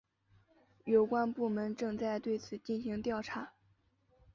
有关部门正在对此进行调查。